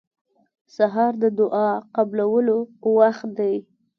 سهار د دعا قبولو وخت دی.